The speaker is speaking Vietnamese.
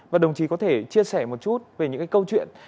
và đồng chí có thể chia sẻ một chút về những cái câu chuyện